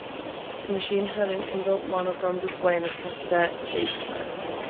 The machine had an inbuilt monochrome display and a cassette tape drive.